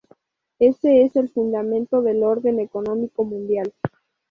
Ese es el fundamento del orden económico mundial.